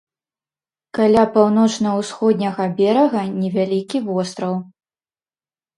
Каля паўночна-ўсходняга берага невялікі востраў.